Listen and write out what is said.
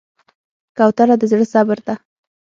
کوتره د زړه صبر ده.